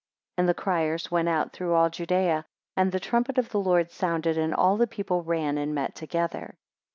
7 And the criers went out through all Judaea, and the trumpet of the Lord sounded, and all the people ran and met together.